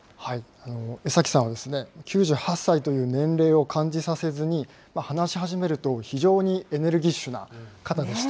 江崎さんは９８歳という年齢を感じさせずに、話し始めると非常にエネルギッシュな方でした。